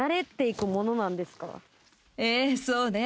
ええそうね。